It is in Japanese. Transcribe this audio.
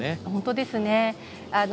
本当ですね。